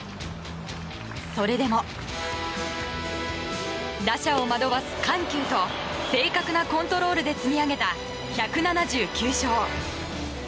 それでも打者を惑わす緩急と正確なコントロールで積み上げた１７９勝。